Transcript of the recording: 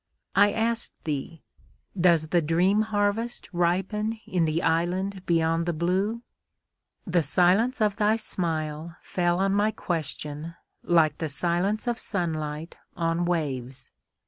I asked thee, "Does the dream harvest ripen in the island beyond the blue?" The silence of thy smile fell on my question like the silence of sunlight on waves.